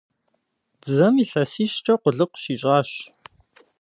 Дзэм илъэсищкӏэ къулыкъу щищӏащ.